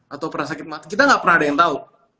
atau pernah sakit kita nggak pernah ada yang tahu